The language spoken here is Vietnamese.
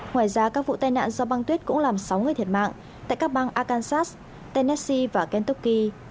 ngoài ra các vụ tai nạn do băng tuyết cũng làm sáu người thiệt mạng tại các bang arkansas tennessee và kentucky